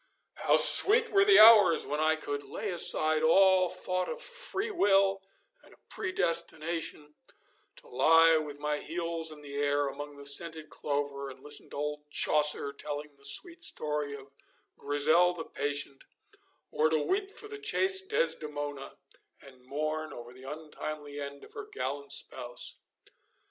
How sweet were the hours when I could lay aside all thought of freewill and of predestination, to lie with my heels in the air among the scented clover, and listen to old Chaucer telling the sweet story of Grisel the patient, or to weep for the chaste Desdemona, and mourn over the untimely end of her gallant spouse.